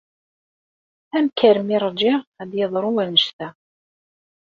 Amek armi rjiɣ ad d-yeḍru wannect-a.